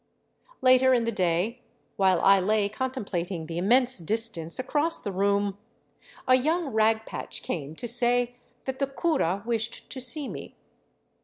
Later in the day, while I lay contemplating the immense distance across the room, a young rag patch came to say that the cura wished to see me.